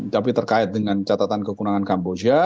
tapi terkait dengan catatan kekurangan kamboja